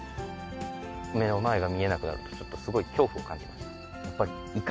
目の前が見えなくなって、すごい恐怖を感じました。